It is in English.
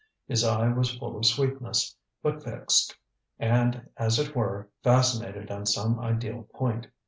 His eye was full of sweetness, but fixed, and, as it were, fascinated on some ideal point.